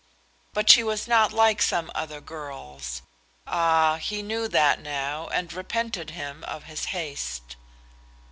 But she was not like some other girls. Ah; he knew that now, and repented him of his haste.